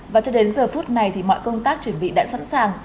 và cho đến giờ phút này thì mọi công tác chuẩn bị đã sẵn sàng